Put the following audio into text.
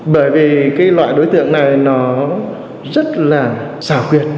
bởi vì cái loại đối tượng này nó rất là xảo quyệt